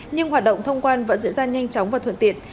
nhưng hoạt động thông quan vẫn diễn ra nhanh chóng và thuận tiện